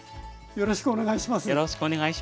よろしくお願いします。